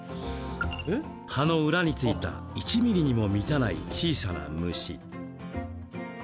葉の裏に付いた１ミリにも満たない小さな虫。